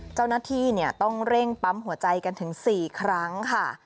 เจ้าหน้าที่ต้องเร่งปั๊มหัวใจกันถึง๔ครั้งค่ะ